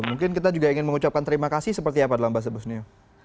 mungkin kita juga ingin mengucapkan terima kasih seperti apa dalam bahasa bosnia